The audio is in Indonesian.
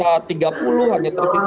jangan jangan nanti hanya tersisa seratus